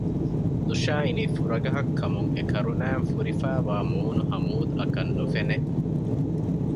ލުޝާ އިނީ ފުރަގަހަށް ކަމުން އެ ކަރުނައިން ފުރިފައިވާ މޫނު ހަމޫދް އަކަށް ނުފެނެ